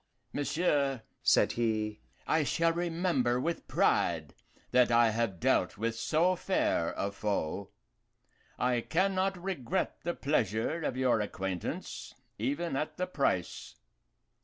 "Monsieur," said he, "I shall remember with pride that I have dealt with so fair a foe. I can not regret the pleasure of your acquaintance, even at the price.